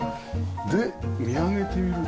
で見上げてみると。